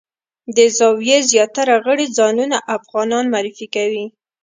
د زاویې زیاتره غړي ځانونه افغانان معرفي کوي.